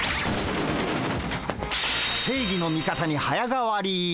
正義の味方に早変わり！